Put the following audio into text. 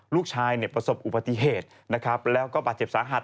ลูกชายเนี่ยประสบอุบัติเหตุนะครับแล้วก็บาดเจ็บสาหัส